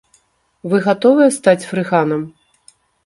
Вы гатовыя стаць фрыганам?